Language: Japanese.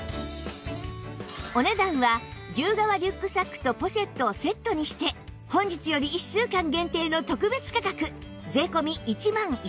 お値段は牛革リュックサックとポシェットをセットにして本日より１週間限定の特別価格税込１万１０００円